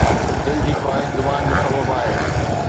دل جي خواهش زبان جو سبب آهي